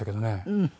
うん。